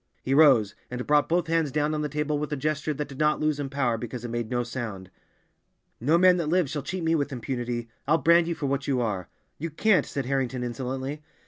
He rose, and brought both hands down on the table with a gesture that did not lose in power because it made no sound. "No man that lives shall cheat me with impunity. I'll brand you for what you are!" "You can't," said Harrington insolently.